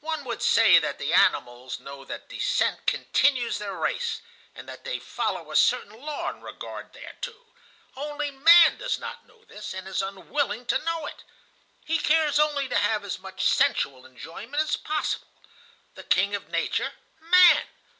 "One would say that the animals know that descent continues their race, and that they follow a certain law in regard thereto. Only man does not know this, and is unwilling to know it. He cares only to have as much sensual enjoyment as possible. The king of nature,—man!